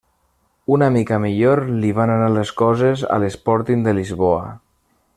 Una mica millor li van anar les coses a l'Sporting de Lisboa.